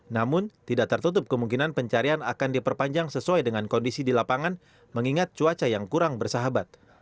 namun tidak tertutup kemungkinan pencarian akan diperpanjang sesuai dengan kondisi di lapangan mengingat cuaca yang kurang bersahabat